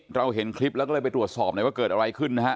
เราเห็นคลิปแล้วก็เลยไปตรวจสอบหน่อยว่าเกิดอะไรขึ้นนะฮะ